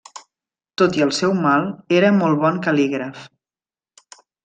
Tot i el seu mal, era molt bon cal·lígraf.